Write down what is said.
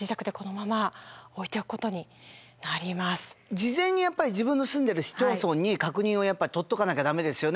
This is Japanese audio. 事前にやっぱり自分の住んでいる市町村に確認を取っとかなきゃ駄目ですよね。